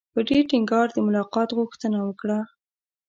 په ډېر ټینګار د ملاقات غوښتنه وکړه.